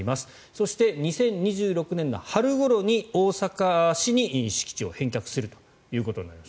そして２０２６年春ごろに大阪市に敷地を返却するということになります。